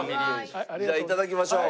じゃあいただきましょう。